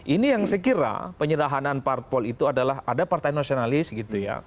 ini yang saya kira penyerahanan parpol itu adalah ada partai nasionalis gitu ya